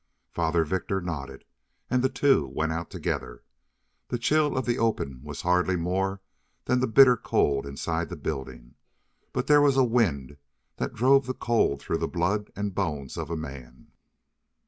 Father Victor nodded, and the two went out together. The chill of the open was hardly more than the bitter cold inside the building, but there was a wind that drove the cold through the blood and bones of a man.